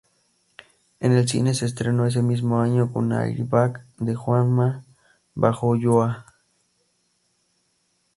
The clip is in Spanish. En el cine se estrenó ese mismo año con "Airbag", de Juanma Bajo Ulloa.